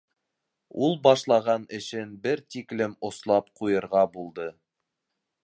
Ул башлаған эшен бер тиклем ослап ҡуйырға булды.